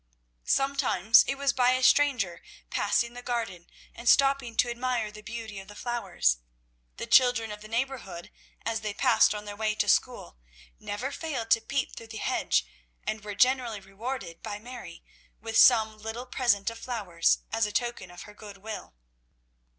Sometimes it was by a stranger passing the garden and stopping to admire the beauty of the flowers. The children of the neighbourhood, as they passed on their way to school, never failed to peep through the hedge, and were generally rewarded by Mary with some little present of flowers as a token of her goodwill.